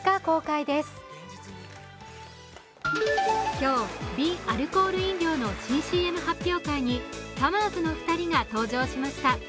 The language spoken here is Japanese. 今日、微アルコール飲料の新ＣＭ発表会にさまぁずの２人が登場しました。